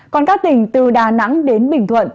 còn các tỉnh từ đà nẵng đến bình thuận